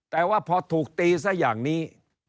แต่ว่าพอถูกตีซะอย่างนี้